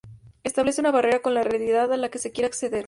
Establece una barrera con la realidad a la que se quiere acceder.